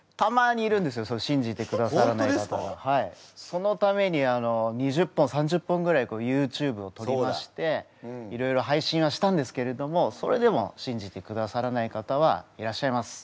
そのために２０本３０本ぐらいＹｏｕＴｕｂｅをとりましていろいろ配信はしたんですけれどもそれでも信じてくださらない方はいらっしゃいます。